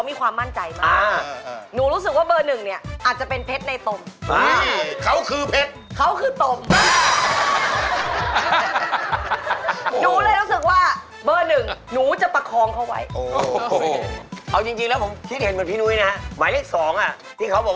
ที่เขาบอกว่าเป็นนางงามใช่มั้ยครับนางงาม